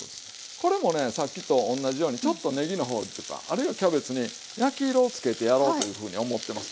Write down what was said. これもねさっきとおんなじようにちょっとねぎの方あるいはキャベツに焼き色をつけてやろうというふうに思ってます。